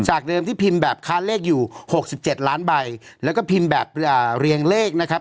เดิมที่พิมพ์แบบค้าเลขอยู่๖๗ล้านใบแล้วก็พิมพ์แบบเรียงเลขนะครับ